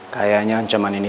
kayaknya ancaman ini